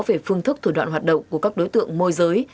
về phương thức thủ đoạn hoạt động của các đối tượng môi giới